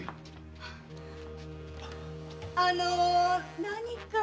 あの何か？